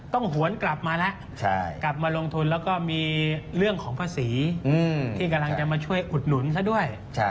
หวนกลับมาแล้วกลับมาลงทุนแล้วก็มีเรื่องของภาษีที่กำลังจะมาช่วยอุดหนุนซะด้วย